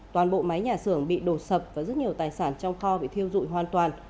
toàn bộ máy nhà xưởng bị đổ sập và rất nhiều tài sản trong kho bị thiêu dụi hoàn toàn